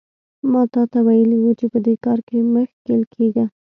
ما تاته ویلي وو چې په دې کار کې مه ښکېل کېږه.